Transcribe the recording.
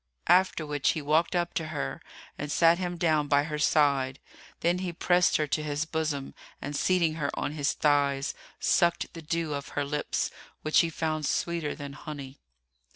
after which he walked up to her and sat him down by her side; then he pressed her to his bosom and seating her on his thighs, sucked the dew of her lips, which he found sweeter than honey.